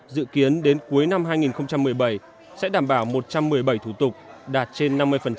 dự kiến đến cuối năm hai nghìn một mươi bảy sẽ đảm bảo một trăm một mươi bảy thủ tục đạt trên năm mươi